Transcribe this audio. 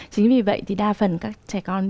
chính vì vậy thì đa phần các trẻ con